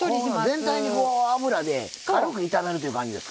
全体に油で軽く炒めるという感じですか？